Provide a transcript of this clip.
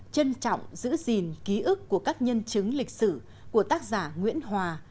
trân trọng giữ gìn ký ức của các nhân chứng lịch sử của tác giả nguyễn hòa